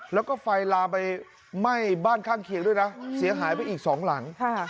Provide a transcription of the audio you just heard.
แล้วก็ไฟลามไปไหม้บ้านข้างเคียงด้วยนะเสียหายไปอีกสองหลัง